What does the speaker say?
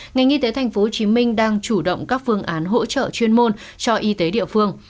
ngành y tế tp hcm đang chủ động các phương án hỗ trợ chuyên môn cho y tế địa phương